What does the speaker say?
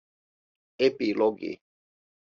Epilogi